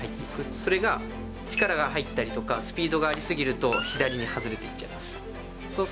それが力が入ったりスピードがありすぎると左に外れていっちゃいます。